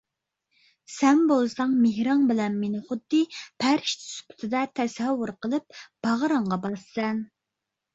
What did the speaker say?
سەن بولساڭ مېھرىڭ بىلەن مېنى خۇددى پەرىشتە سۈپىتىدە تەسەۋۋۇر قىلىپ باغرىڭغا باسىسەن.